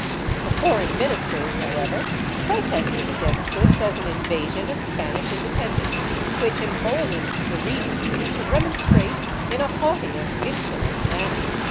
The foreign ministers, however, protested against this as an invasion of Spanish independence, which emboldened the Regency to remonstrate in a haughty and insolent manner.